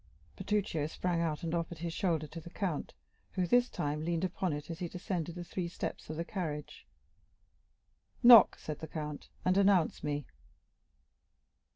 Bertuccio sprang out, and offered his shoulder to the count, who, this time, leaned upon it as he descended the three steps of the carriage. "Knock," said the count, "and announce me."